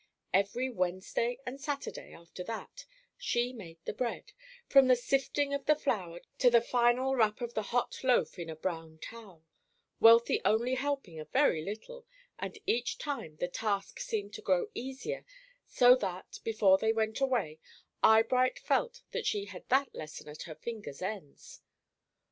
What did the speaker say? Every Wednesday and Saturday, after that, she made the bread, from the sifting of the flour to the final wrap of the hot loaf in a brown towel, Wealthy only helping a very little, and each time the task seemed to grow easier, so that, before they went away, Eyebright felt that she had that lesson at her fingers' ends.